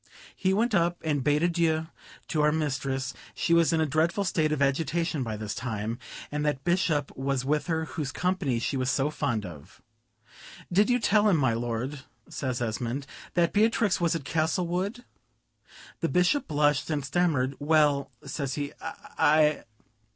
We went up and bade adieu to our mistress; she was in a dreadful state of agitation by this time, and that Bishop was with her whose company she was so fond of. "Did you tell him, my lord," says Esmond, "that Beatrix was at Castlewood?" The Bishop blushed and stammered: "Well," says he, "I